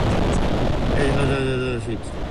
His recording became a national hit.